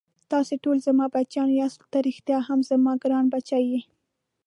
تاسې ټوله زما بچیان یاست، ته ريښتا هم زما ګران بچی یې.